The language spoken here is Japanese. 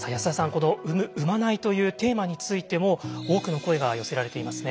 この「産む・産まない」というテーマについても多くの声が寄せられていますね。